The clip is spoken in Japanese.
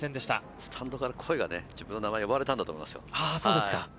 スタンドから自分の名前を呼ばれたんだと思いますよ。